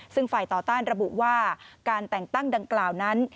ซึ่งฝ่ายต่อต้านระบุว่าการแต่งตั้งดังกล่าวนั้น